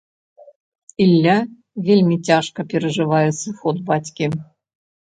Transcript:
Ілля вельмі цяжка перажывае сыход бацькі.